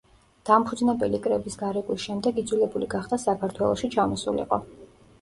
დამფუძნებელი კრების გარეკვის შემდეგ იძულებული გახდა საქართველოში ჩამოსულიყო.